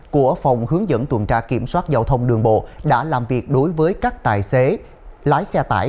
của phòng hướng dẫn tuần tra kiểm soát giao thông đường bộ đã làm việc đối với các tài xế lái xe tải